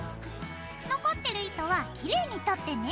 残ってる糸はきれいに取ってね。